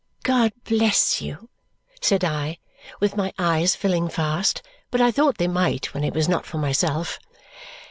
"God bless you!" said I, with my eyes filling fast; but I thought they might, when it was not for myself.